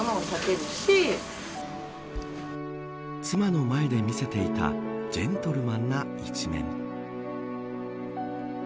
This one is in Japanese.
妻の前で見せていたジェントルマンな一面。